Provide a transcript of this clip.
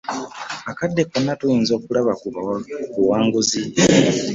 Akadde konna tuyinza okulaba ku buwanguzi.